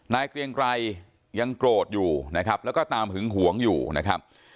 เกรียงไกรยังโกรธอยู่นะครับแล้วก็ตามหึงหวงอยู่นะครับ